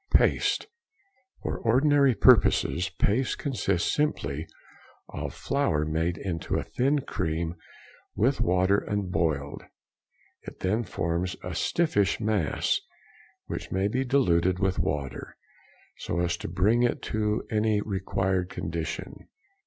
Paste.—For ordinary purposes paste consists simply of flour made into a thin cream with water and boiled. It then forms a stiffish mass, which may be diluted with water so as to bring it to any required condition.